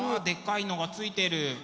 でかいのがついてる！